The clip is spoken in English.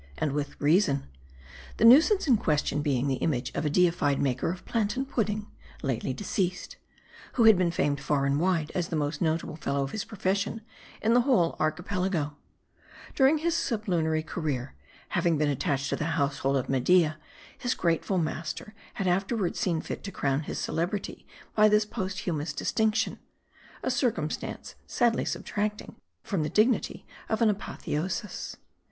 And with reason. The nuisance in question being the image of a deified maker of plantain pudding, lately de ceased ; who had been famed far and wide as the most notable fellow of his profession in the whole Archipelago During his sublunary career, having been attached to the household of Media, his grateful master had afterward seen fit to crown his celebrity by this posthumous distinction : a circumstance sadly subtracting from the dignity of an apo theosis.